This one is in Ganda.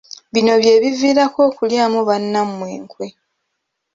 Bino bye biviirako okulyamu bannammwe enkwe.